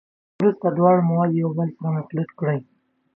وروسته دواړه مواد یو له بل سره مخلوط کړئ.